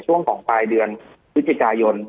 จนถึงปัจจุบันมีการมารายงานตัว